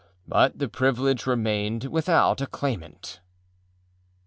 But the privilege remained without a claimant.